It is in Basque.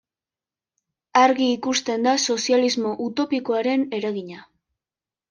Argi ikusten da sozialismo utopikoaren eragina.